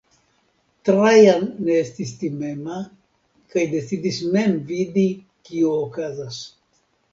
Trajan ne estis timema kaj decidis mem vidi kio okazas.